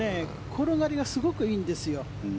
転がりはすごくいいんですよ。